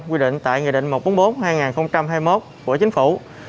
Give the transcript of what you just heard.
quy định tại nghị định một trăm bốn mươi bốn hai nghìn hai mươi một của chính phủ